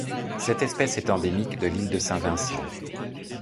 Cette espèce est endémique de l'île de Saint-Vincent.